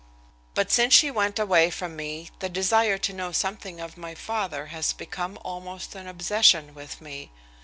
"But since she went away from me the desire to know something of my father has become almost an obsession with me.